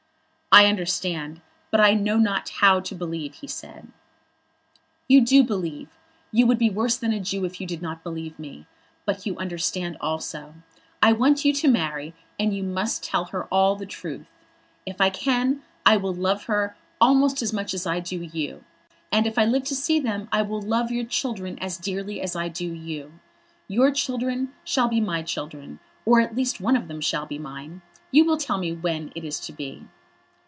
"I understand, but I know not how to believe," he said. "You do believe. You would be worse than a Jew if you did not believe me. But you understand also. I want you to marry, and you must tell her all the truth. If I can I will love her almost as much as I do you. And if I live to see them, I will love your children as dearly as I do you. Your children shall be my children; or at least one of them shall be mine. You will tell me when it is to be."